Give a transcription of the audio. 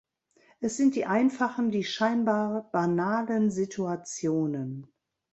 Es sind die einfachen, die scheinbar banalen Situationen.